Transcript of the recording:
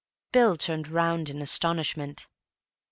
Bill turned round in astonishment.